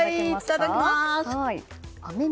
いただきます！